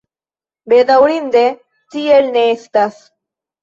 Bedaŭrinde, tiel ne estas.